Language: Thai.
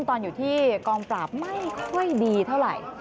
ตอนอยู่ที่กองปราบไม่ค่อยดีเท่าไหร่